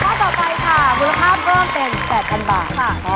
ข้อต่อไปค่ะมูลค่าเพิ่มเป็น๘๐๐๐บาท